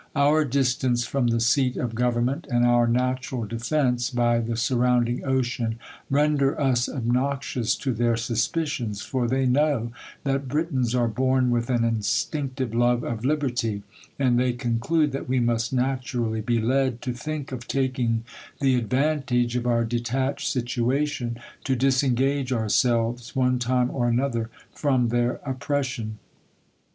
Our distance from the seat of government, and our natural defence by the surrounding ocean, render us obnoxious to their suspicions : for they know tliat Britons are born with an instinctive love of liberty : and they conclude that we must naturally be led to think of taking the advantage of our detached situation! to disengage ourselves, one time or another, from theK oppi; ession.